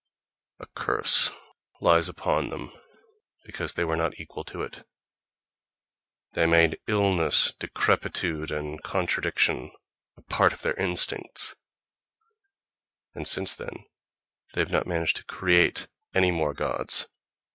A curse lies upon them because they were not equal to it; they made illness, decrepitude and contradiction a part of their instincts—and since then they have not managed to create any more gods.